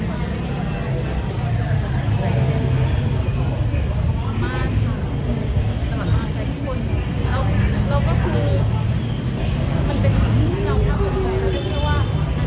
แล้วก็คือมันเป็นสิ่งที่เราถ้าคุณใจแล้วก็คิดว่าอัน